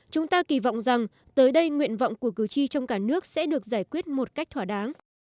chúng ta kỳ vọng rằng tới đây nguyện vọng của cử tri trong cả nước sẽ được giải quyết một cách thỏa đáng